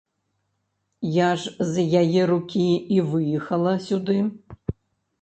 Я ж з яе рукі і выехала сюды.